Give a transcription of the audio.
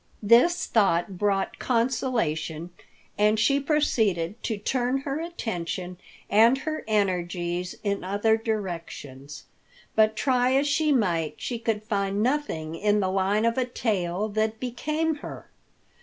This thought brought consolation and she proceeded to turn her attention and her energies in other directions. But try as she might, she could find nothing in the line of a tail that became her.